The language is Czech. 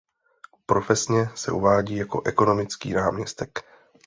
Profesně se uvádí jako ekonomický náměstek.